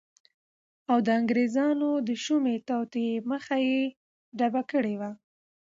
او د انګریزانو د شومی توطیه مخه یی ډبه کړی وه